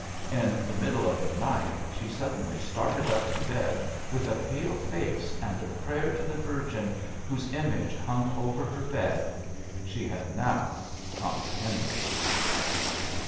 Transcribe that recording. In the middle of the night she suddenly started up in bed with a pale face and a prayer to the Virgin whose image hung over her head she had now comprehended.